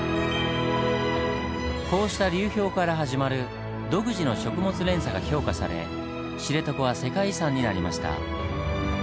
こうした流氷から始まる独自の食物連鎖が評価され知床は世界遺産になりました。